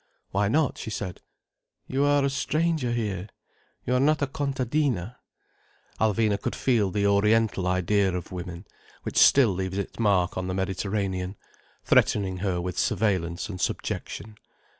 "Why not?" she said. "You are a stranger here. You are not a contadina—" Alvina could feel the oriental idea of women, which still leaves its mark on the Mediterranean, threatening her with surveillance and subjection.